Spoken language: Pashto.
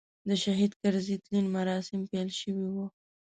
د شهید کرزي تلین مراسیم پیل شوي و.